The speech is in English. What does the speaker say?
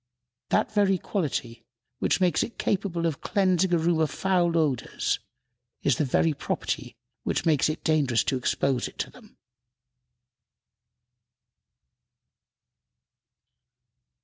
That very quality which makes it capable of cleansing a room of foul odors is the very property which makes it dangerous to expose it to them.